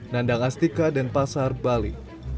nandang astika dan pasar bali